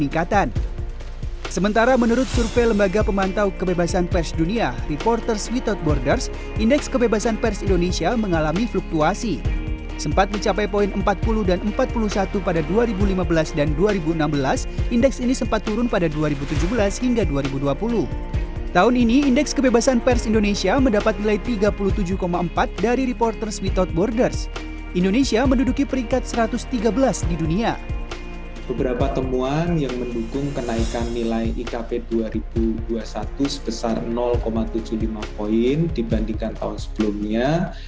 kita menaikkan nilai ikp dua ribu dua puluh satu sebesar tujuh puluh lima poin dibandingkan tahun sebelumnya